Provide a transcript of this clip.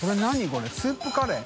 これスープカレー？